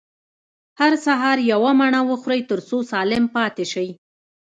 هر سهار يوه مڼه وخورئ، تر څو سالم پاته سئ.